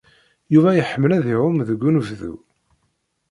Yuba iḥemmel ad iɛum deg unebdu.